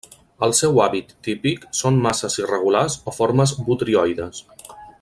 El seu hàbit típic són masses irregulars o formes botrioides.